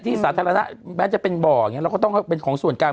สาธารณะแม้จะเป็นบ่ออย่างนี้เราก็ต้องเป็นของส่วนกลาง